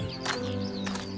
dia tidak berubah sedikitpun